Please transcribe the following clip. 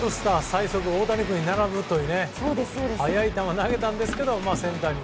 最速大谷君に並ぶという速い球投げたんですけどセンターに。